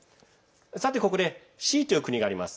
さて、ここでＣという国があります。